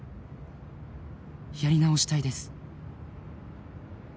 「やり直したいです」